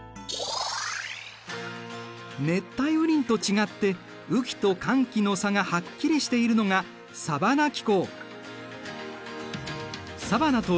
熱帯雨林と違って雨季と乾季の差がはっきりしているのがサバナ気候。